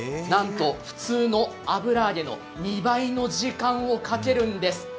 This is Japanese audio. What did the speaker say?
なんと普通の油揚げの２倍の時間をかけるんです。